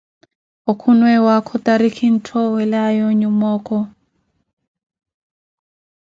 Okhuno ewaakho tarikhi entthowelawe onyuma okho.